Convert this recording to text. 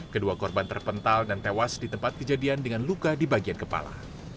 kedua korban terpental dan tewas di tempat kejadian dengan luka di bagian kepala